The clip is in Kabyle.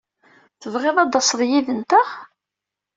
Tebɣiḍ ad d-taseḍ yid-nteɣ?